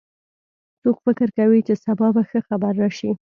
څوک فکر کوي چې سبا به ښه خبر راشي